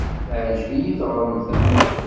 Teɛjeb-iyi teɣremt-a.